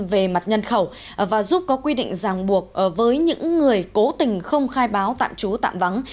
về mặt nhân khẩu và giúp có quy định ràng buộc với những người cố tình không khai báo tạm trú tạm vắng